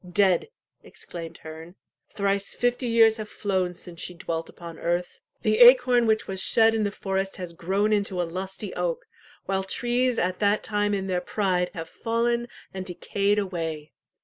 "Dead!" exclaimed Herne. "Thrice fifty years have flown since she dwelt upon earth. The acorn which was shed in the forest has grown into a lusty oak, while trees at that time in their pride have fallen and decayed away.